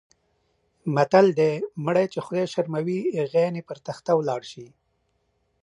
متل دی: مړی چې خدای شرموي غول یې په تخته ولاړ شي.